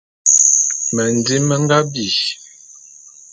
Mendim me nga bi.